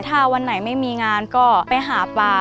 ถ้าวันไหนไม่มีงานก็ไปหาปลา